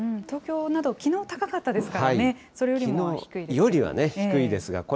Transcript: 東京などきのう高かったですからね、それよりも低いですね。